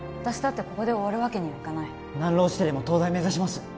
ここで終わるわけにはいかない何浪してでも東大目指します